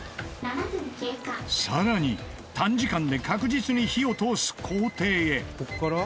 更に短時間で確実に火を通す工程へ